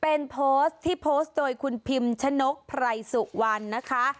เป็นโพสต์ที่โพสต์โดยคุณพิมชะนกไพรสุวรรณนะคะ